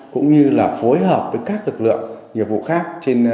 cũng như là phối hợp với các lực lượng nhiệm vụ khác